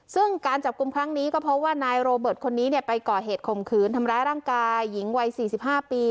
ซึ่งการจับกลุ่มครั้งนี้ก็เพราะว่านายโรเบิร์ตคนนี้ไปก่อเหตุข่มขืนทำร้ายร่างกายหญิงวัย๔๕ปี